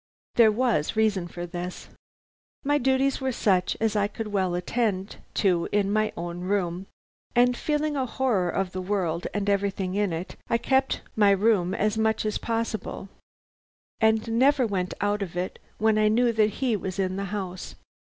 There was reason for this. My duties were such as I could well attend to in my own room, and feeling a horror of the world and everything in it, I kept my room as much as possible, and never went out of it when I knew that he was in the house.